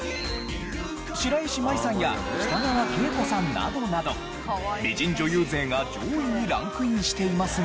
白石麻衣さんや北川景子さんなどなど美人女優勢が上位にランクインしていますが。